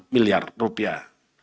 delapan enam miliar rupiah